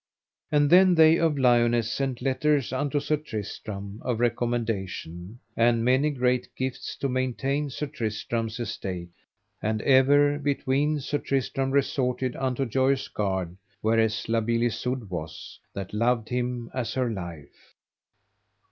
And then they of Liones sent letters unto Sir Tristram of recommendation, and many great gifts to maintain Sir Tristram's estate; and ever, between, Sir Tristram resorted unto Joyous Gard whereas La Beale Isoud was, that loved him as her life.